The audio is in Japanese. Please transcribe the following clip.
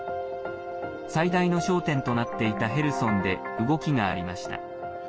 最大の焦点となっていたヘルソンで動きがありました。